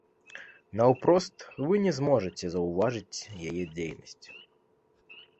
Наўпрост вы не зможаце заўважыць яе дзейнасць.